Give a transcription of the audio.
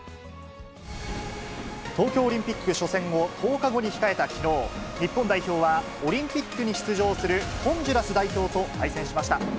東京オリンピック初戦を１０日後に控えたきのう、日本代表はオリンピックに出場するホンジュラス代表と対戦しました。